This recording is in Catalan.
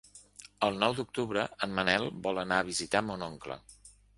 El nou d'octubre en Manel vol anar a visitar mon oncle.